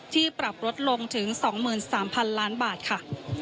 ที่ปรับลดลงถึงสองหมื่นสามพันล้านบาทค่ะ